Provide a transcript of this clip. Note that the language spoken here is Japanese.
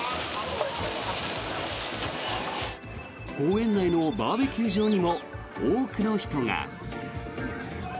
公園内のバーベキュー場にも多くの人が。